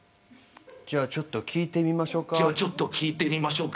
じゃあちょっと聞いてみましょうか。